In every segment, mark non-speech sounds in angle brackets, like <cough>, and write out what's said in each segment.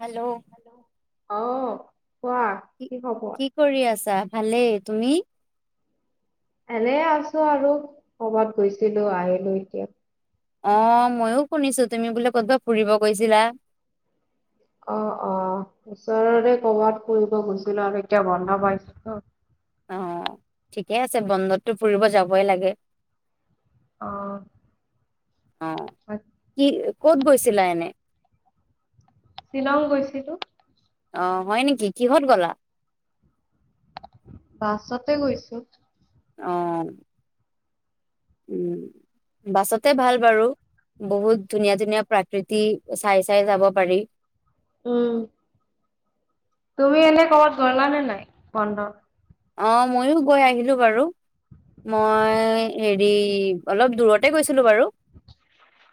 Hello অ, কোৱা? কি কি খবৰ? কি কৰি আছা? ভালেই। তুমি? এনে আছো আৰু। ক'বাত গৈছিলো আহিলো এতিয়া অ ময়ো শুনিছো তুমি বোলে ক'তবা ফুৰিব কৈছিলা অ অ ওচৰৰে কৰবাত ফুৰিব খুজিছিলো আৰু এতিয়া বন্ধ পাইছো ত অ ঠিকে আছে বন্ধতটো ফুৰিব যাবই লাগে আহ অ হয় কি ক'ত গৈছিলা এনে? শ্বিলং গৈছিলো আহ হয় নেকি, কিহত গলা? বাছতে গৈছো। আহ উম, বাছতে ভাল বাৰু, বহুত ধুনীয়া ধুনীয়া প্ৰাকৃতি চাই চাই যাব পাৰি। উম তুমি এনে ক'ৰবাত গলা নে নাই বন্ধত? অ ময়ো গৈ আহিলো বাৰু, মই হেৰি অলপ দূৰতে গৈছিলোঁ বাৰু।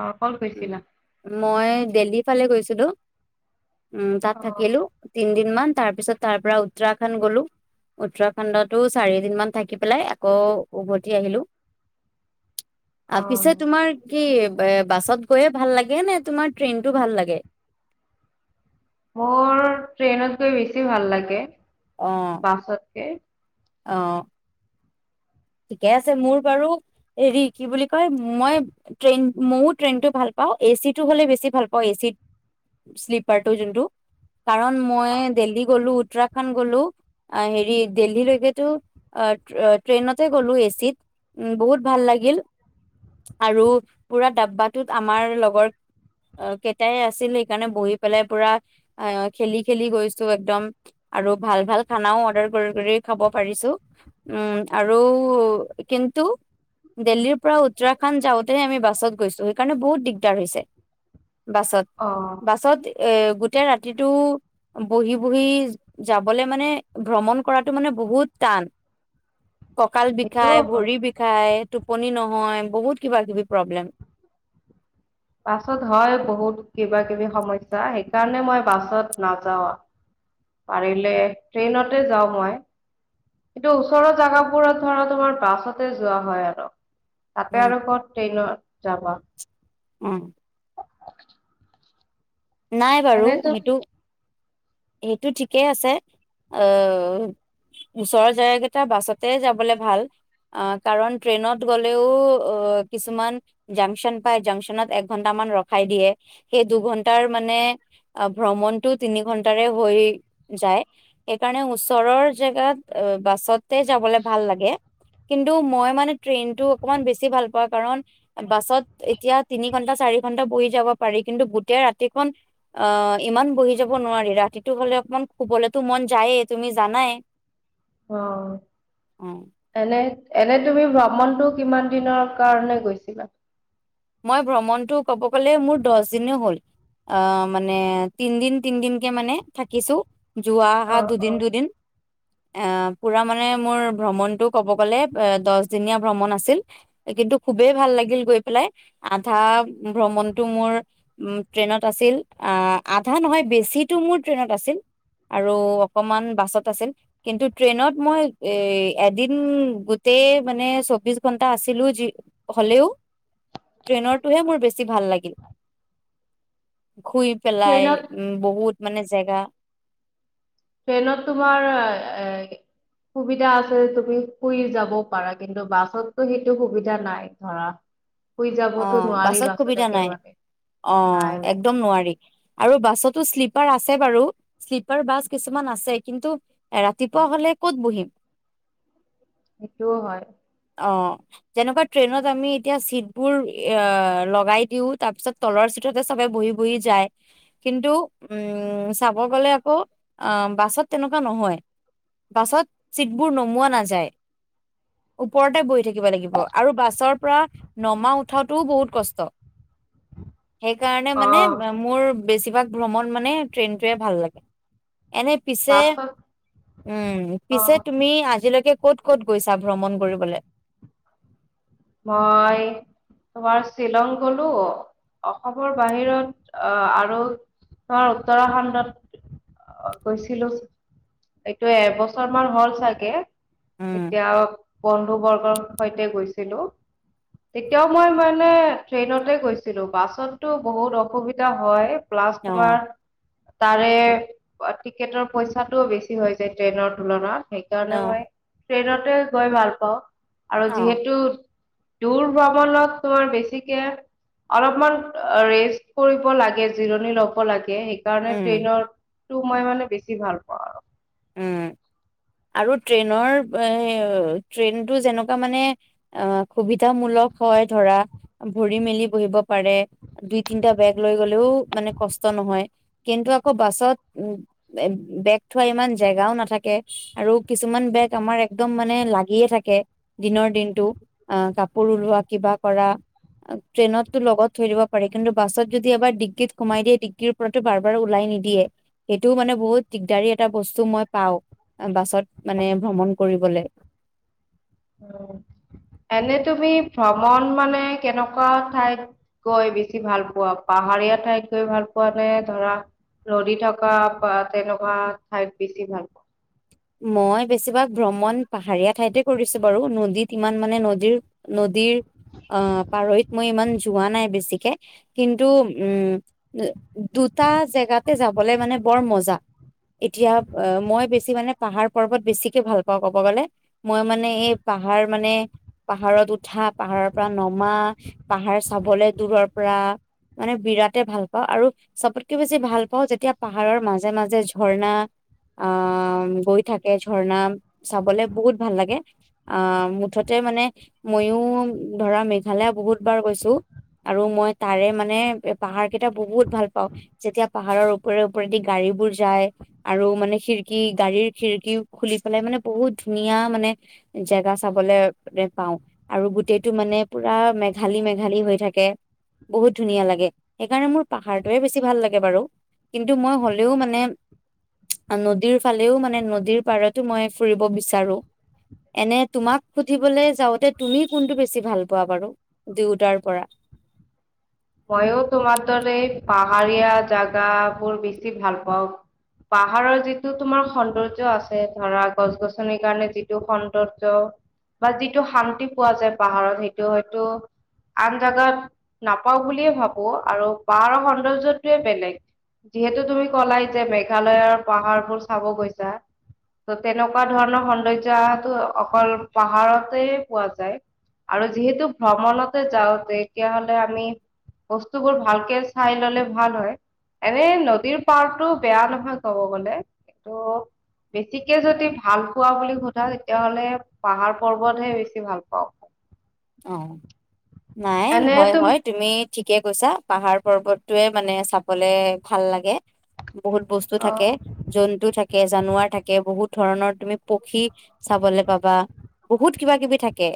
অ কল কৰিছিলা? মই দেল্হীৰ ফালে গৈছিলো। উম তাত অ থাকিলো তিন- দিনমান তাৰ পিছত তাৰ পৰা উত্তৰাখণ্ড গলো উত্তৰাখণ্ডতো চাৰিদিনমান থাকি পেলাই আকৌ উভতি আহিলো। অ পিছে তোমাৰ কি বাছত গৈয়ে ভাল লাগে নে তোমাৰ ট্ৰেইনতটো ভাল লাগে? মোৰ ট্ৰেইনত গৈ বেছি ভাল লাগে অ বাসচতকে অ ঠিকে আছে মোৰ বাৰু হেৰি কি বুলি কয় মই ট্ৰেইন মইো ট্ৰেইনটো ভাল পাওঁ এচিটো হ'লে বেছি ভাল পাওঁ এচি শ্লিপাৰটো যোনটো কাৰণ মই দেল্লহি গ'লো উত্তৰাখণ্ড গ'লো হেৰি দেল্লহিলেকেতো ট্ৰেইনত গলো এচিত উ বহুত ভাল লাগিল আৰু পুৰা ডাব্বাটোত আমাৰ লগৰ কেইটাই আছিল সেইকাৰণে বহি পেলাই পুৰা খেলি খেলি গৈছো একদম আৰু ভাল ভাল খানাও অৰ্ডাৰ কৰি কৰি খাব পাৰিছো উম আৰু কিন্তু দিল্লীৰ পৰা উত্তৰাখণ্ড যাওঁতেহে আমি বাছত গৈছো সেইকাৰণে বহুত দিগদাৰ হৈছে বাছত অ বাছত এ গোটেই ৰাতিটো বহি বহি যাবলে মানে ভ্ৰমণ কৰাটো মানে বহুত টান কঁকাল সেইটোও বিষায় হয় ভৰি বিষায় টোপনি নহয় বহুত কিবা কিবি প্ৰব্লেম বাছত হয় বহুত কিবা কিবি সমস্যা সেইকাৰণে মই বাছত নাযাওঁ পাৰিলে ট্ৰেইনতে যাওঁ মই কিন্তু ওচৰৰ জোগাবোৰত ধৰ তোমাৰ বাছতে যোৱা হয় আৰু তাতে উম আৰু ক'ত ট্ৰেইনত যাবা উম <unintelligible> নাই বাৰু এনেতো সেইটো সেইটো ঠিকেই আছে ওচৰ জাগ কেইটা বাছতে যাবলে ভাল আহ কাৰণ ট্ৰেইনত গলেও অ কিছুমান জাংচন পায় জাংচনত একঘন্টামান ৰখাই দিয়ে সেই দুঘন্টা াৰ মানে ভ্ৰমণতটো তিনি ঘন্টাৰে হৈ যায় সেইকাৰণে ওচৰৰ জেগাত বাছতে যাবলে ভাল লাগে কিন্তু মই মানে ট্ৰেইনতটো অকমান বেছি ভাল পা কাৰণ বাছত এতিয়া তিনি ঘন্টা চাৰি ঘন্টা বহি যাব পাৰি কিন্তু গোটেই ৰাতি ৰাতিখনন অহ ইমান বহি যাব নোৱাৰি ৰাতিটো হ'লে অকমান শুবলৈতো মন যায়েই তুমি জানাই অ অ এনে এনে তুমি ভ্ৰমণটো কিমান দিনৰ কাৰণে গৈছিলা মই ভ্ৰমণটো কব গ'লে মোৰ দহ দনে হল আহ মানে তিনদিন তিনদিনকে মানে থাকিছো যোৱা অ অহা অ দুদিন দুদিন অ পুৰা মানে মোৰ ভ্ৰমণতটো কব গলে দহ দিনীয়া ভ্ৰমণ আছিল কিন্তু খুবেই ভাল লাগিল গৈ পেলাই আধা ভ্ৰমণটো মোৰ ট্ৰেইনত আছিল আহ আধা নহয় বেছিো মোৰ ট্ৰেইনত আছিল আৰু অকমান বাছত আছিল কিন্তু ট্ৰেইনত মই এ এদিন গোটেই মানে চৌবিশ ঘন্টা আছিলো যি হলেও ট্ৰেইনৰটোহে মোৰ বেছি ভাল লাগিল শুই পেলাই ট্ৰেইনত উ বহুত মানে জেগা ট্ৰেইনত তোমাৰ এ সুবিধা আছে যে তুমি শুই যাব পাৰা কিন্তু বাছতটো সেইটো সুবিধা নাই ধৰা শুই অ যাবতো নোৱাৰি বাছত সুবিধা নাই একেবাৰে অ নাই নাই একদম নোৱাৰি আৰু বাছতো্লিপ আছে বাৰু শ্লিপাৰ বাছ কিছুমান আছে কিন্তু ৰাতিপুৱা হলে ক'ত বহিম সেইটোও হয় অ যেনেকুৱা ট্ৰেইনত আমি এতিয়া চিট বোৰ এ লগাই দিও তাৰ পিছত তলৰ চিটতে চবে বহি বহি যায় কিন্তু উম চাব গলে আকৌ আহ বাছত তেনেকুৱা নহয় বাছত চিটবোৰ নমোৱা নাযায় ওপৰতে বহি থাকিব লাগিব আৰু বাছৰ পৰা নমা উঠাটোও বহুত কষ্ট সেইকাৰণে অ মানে মোৰ বেছিভাগ ভ্ৰমণ মানে ট্ৰেইনটোৱে ভাল লাগে এনে পিছে বাছত উম অ পিছে তুমি আজিলৈকে ক'ত ক'ত গৈছা ভ্ৰমণ কৰিবলৈ মই তোমাৰ শ্বিলং গলো অসমৰ বাহিৰত আহ আৰু তোমাৰ উত্তৰাখণ্ডত গৈছিলো এইটো এবছৰ মান হ'ল চাগে উম, এতিয়া বন্ধু বৰ্গৰ সৈতে গৈছিলো তেতিয়াও মই মানে ট্ৰেইনতে গৈছিলো বাছতো বহুত অসুবিধা হয় প্লাছ তোমাৰ অ', তাৰে অ টিকেটৰ পইচাটোও বেছি হৈ যায় ট্ৰেইনৰ তুলনাত সেইকাৰণে অ', মই ট্ৰেইনতে গৈ ভাল পাওঁ আৰু অ', যিহেতু দূৰ ভ্ৰমণত তোমাৰ বেছিকে অলপমান ৰেষ্ট কৰিব লাগে জিৰণি লব লাগে সেইকাৰণে উম, ট্ৰেইনৰ টো মই মানে বেছি ভাল পাওঁ আৰু উম আৰু ট্ৰেইনৰ এ ট্ৰেইনটো যেনেকুৱা মানে অ সুবিধামূলক হয় ধৰা ভৰি মেলি বহিব পাৰে দুই তিনটা বেগ লৈ গলেও মানে কষ্ট নহয় কিন্তু আকৌ বাছত উ বেগ থোৱা ইমান জেগাও নাথাকে আৰু কিছুমান বেগ আমাৰ একদম মানে লাগিয়ে থাকে দিনৰ দিনটো কাপোৰ লোৱা কিবা কৰা ট্ৰেইনতটো লগত থৈ দিব পাৰেি কিন্তু বাছত যদি এবাৰ ডিগ্গিত সোমাই দিয়ে ডিগ্গিৰ পৰাৰতো বাৰ বাৰ ওলাই নিদিয়ে সেইটোও মানে বহুত দিগদাৰী এটা বস্তু মই পাওঁ বাছত মানে ভ্ৰমণ কৰিবলৈ উ এনে তুমি ভ্ৰমণ মানে কেনেকুৱা ঠাইত গৈ বেছি ভাল পোৱা পাহাৰীয়া ঠাইত গৈ ভাল পোৱা নে ধৰা নদী থকা বা তেনেকুৱা ঠাইত বেছি ভাল পোৱা মই বেছিভাগ ভ্ৰমণ পাহাৰীয়া ঠাইতে কৰিছো বাৰু নদীত ইমান মানে নদীৰ নদীৰ পাৰৈত মই ইমান যোৱা নাই বেছিকে কিন্তু উম দুটা জেগাতে যাবলৈ মানে বৰ মজা এতিয়া মই বেছি মানে পাহাৰ পৰ্বত বেছিকে ভাল পাওঁ ক'ব গ'লে মই মানে এই পাহাৰ মানে পাহাৰত উঠা পাহাৰৰ পৰা নমা পাহাৰ চাবলে দূৰৰ পৰা মানে বিৰাট ভাল পাওঁ আৰু চবতকে বেছি ভাল পাওঁ যেতিয়া পাহাৰৰ মাজে মাজে ঝৰ্ণা আ গৈ থাকে ঝৰ্ণা চাবলে বহুত ভাল লাগে আহ মুঠতে মানে মইও ধৰা মেঘালয় বহুত বাৰ গৈছো আৰু মই তাৰে মানে পাহাৰ কেইটা বহুত ভাল পাওঁ যেতিয়া পাহাৰৰ ওপৰে ওপৰেদি গাড়ী বোৰ যায় আৰু মানে খিৰিকী গাড়ীৰ খিৰিকী খুলি পেলাই মানে বহুত ধুনীয়া মানে জেগা চাবলৈ পাওঁ আৰু গোটেইটো মানে পুৰা মেঘালী মেঘালী হৈ থাকে বহুত ধুনীয়া লাগে সেইকাৰণে মোৰ পাহাৰটোয়ে বেছি ভাল লাগে বাৰু কিন্তু মই হলেও মানে নদীৰ ফালেও মানে নদীৰ পাৰতো মই ফুৰিব বিচাৰো এনে তোমাক সুধিবলৈ যাওঁতে তুমি কোনটো বেছি ভাল পোৱা বাৰু দুয়োটাৰ পৰা মইো তোমাৰ দৰে এই পাহাৰীয়া জোগাবোৰ বেছি ভাল পাওঁ পাহাৰৰ যিটো তোমাৰ সৌন্দৰ্য আছে ধৰা গছ গছনিৰ কাৰণে যিটো সৌন্দৰ্য বা যিটো শান্তি পোৱা যায় পাহাৰত সেইটো হয়তো আন জাগাত ন পাওঁ বুলিয়ে ভাবো আৰু পাহাৰৰ সৌন্দৰ্যটোৱে বেলেগ যিহেতু তুমি ক'লাই যে মেঘালয়ৰ পাহাৰবোৰ চাব গৈছা ত' তেনেকুৱা ধৰণৰ সৌন্দৰ্য অহাটো অকল পাহাৰতে পোৱা যায় আৰু যিহেতু ভ্ৰমণতে যাওঁ তেতিয়াাহলে আমি বস্তুবোৰ ভালকে চাই ললে ভাল হয় এনে নদীৰ পাৰটো বেয়া নহয় কব গলে কিটো বেছিকে যদি ভাল পোৱা বুলি সোধা তেতিয়াাহলে পাহাৰ পৰ্বতহে বেছি ভাল পাওঁ অঁ নাই এনে হয় তুম হয় তুমি ঠিকে কৈছা পাহাৰ পৰ্বতটোৱে মানে চাবলে ভাল লাগে বহুত বস্তু অ থাকে জন্তু থাকে জানুৱাৰ থাকে বহুত ধৰণৰ তুমি পক্ষী চাবলৈ পাবা বহুত কিবা কিবি থাকে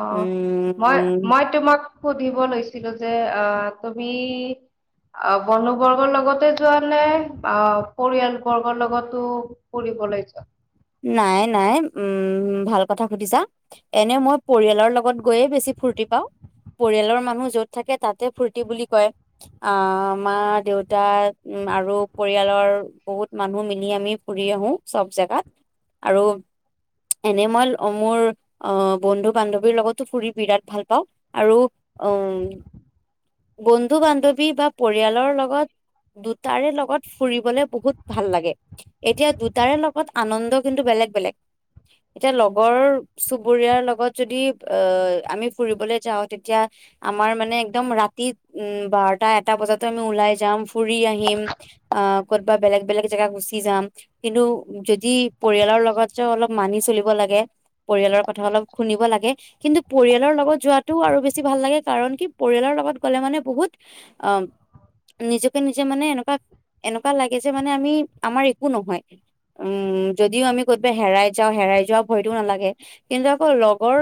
অ মই উম মই তোমাক সুধিব লৈছিলো যে আহ তুমি বন্ধু বৰ্গৰ লগতে যোৱা নে পৰিয়াল বৰ্গৰ লগতো ফুৰিবলৈ যোৱা নাই নাই উম ভাল কথা সুধিছা এনে মই পৰিয়ালৰ লগত গৈয়ে বেছি ফূুৰ্তি পাওঁ পৰিয়ালৰ মানুহ যত থাকে তাতে ফূুৰ্তি বুলি কয় আহ মা দেউতা আৰু পৰিয়ালৰ বহুত মানুহ মিলি আমি ফুৰি আহো চব জোগাত আৰু এনে মই মোৰ আহ বন্ধু বান্ধৱীৰ লগতো ফুৰি বিৰাট ভাল পাওঁ। আৰু উ বন্ধু বান্ধৱী বা পৰিয়ালৰ লগত দুটাৰে লগত ফুৰিবলে বহুত ভাল লাগে। এতিয়া দুটাৰে লগত আনন্দ কিন্তু বেলেগ বেলেগ। এতিয়া লগৰ চুবুৰীয়াৰ লগত যদি অ আমি ফুৰিবলৈ যাওঁ তেতিয়া আমাৰ মানে একদম ৰাতি উ বাৰটা এটা বজাাতো আমি ওলাই যাম। ফুৰি আহিম। আ কত বা বেলেগ বেলেগ জেগা গুচি যাম। কিন্তু যদি পৰিয়ালৰ লগত যে অলপ মানি চলিব লাগে। পৰিয়ালৰ কথা অলপ শুনিব লাগে। কিন্তু পৰিয়ালৰ লগত যোৱাটো আৰু বেছি ভাল লাগে কাৰণ কি পৰিয়ালৰ লগত গ'লে মানে বহুত অ নিজকে নিজে মানে এনেকুৱা এনেকুৱা লাগে যে মানে আমি আমাৰ একো নহয়। উম, যদিও আমি কৰ'বাই হেৰাই যাওঁ হেৰাই যোৱা ভয়টো নালাগে। কিন্তু আকৌ লগৰ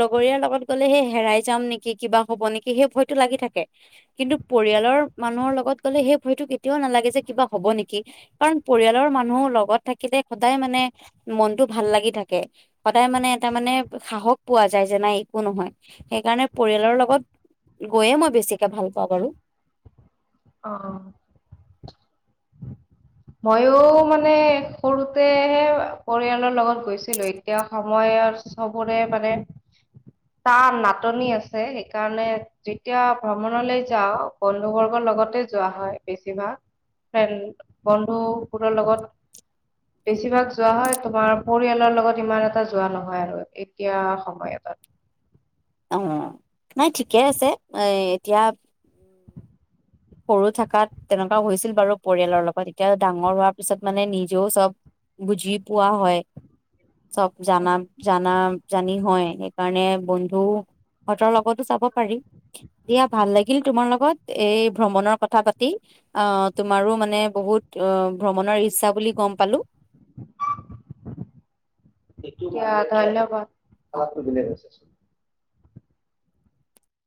লগৰীয়াৰ লগত গ'লে সেই হেৰাই যাম নেকি কিবা হ'ব নেকি সেই ভয়টো লাগি থাকে। কিন্তু পৰিয়ালৰ মানুহৰ লগত গলে সেই ভয়টো কেতিয়াও নালাগে যে কিবা হব নেকি। কাৰণ পৰিয়ালৰ মানুহৰ লগত থাকিলে সদায় মানে মনটো ভাল লাগি থাকে। সদায় মানে এটা মানে সাহস পোৱা যায় যে নাই একো নহয়। সেইকাৰণে পৰিয়ালৰ লগত গৈয়ে মই বেছিকে ভাল পাওঁ বাৰু। অ অ। ময়ো মানে সৰুতেহে পৰিয়ালৰ লগত গৈছিলো। এতিয়া সময়ত সবৰে মানে টান নাটনি আছে। সেইকাৰণে যেতিয়া ভ্ৰমণলৈ যাওঁ বন্ধু বৰ্গৰ লগতে যোৱা হয় বেছিভাগ। ফ্ৰেইণ্ড বন্ধুবোৰৰ লগত, বেছিভাগ যোৱা হয়। তোমাৰ পৰিয়ালৰ লগত ইমান এটা যোৱা নহয় আৰু এতিয়া সময়টাত। অ। নাই ঠিকে আছে। এই এতিয়া, সৰু থকাত তেনেকুৱা হৈছিল বাৰু পৰিয়ালৰ লগত, এতিয়া ডাঙৰ হোৱাৰ পিছত মানে নিজেও চব বুজি পোৱা হয়। চব জানা, জানা জানি হয় সেইকাৰণে বন্ধু হতৰ লগতো চাব পাৰি, দিয়া ভাল লাগিল তোমাৰ লগত। এই ভ্ৰমণৰ কথা পাতি, আহ তোমাৰো মানে বহুত ভ্ৰমণৰ ইচ্ছা বুলি গম পালো, এতিয়া ধন্যবাদ। অ আৱাজটো দিলে।